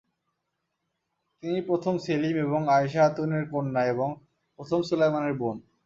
তিনি প্রথম সেলিম ও আয়শে হাতুনের কন্যা এবং প্রথম সুলাইমানের বোন।